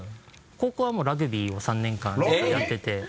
高校はもうラグビーを３年間やってて。